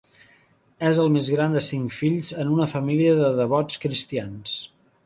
És el més gran de cinc fills en una família de devots cristians.